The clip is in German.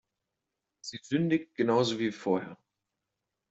Sie sündigt genauso wie vorher.